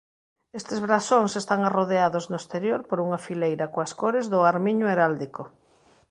Estes brasóns están arrodeados no exterior por unha fileira coas cores do armiño heráldico.